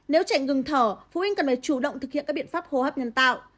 nếu chạy ngừng thở phụ huynh cần phải chủ động thực hiện các biện pháp hô hấp nhân tạo